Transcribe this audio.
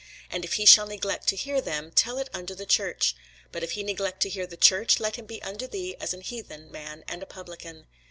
And if he shall neglect to hear them, tell it unto the church: but if he neglect to hear the church, let him be unto thee as an heathen man and a publican.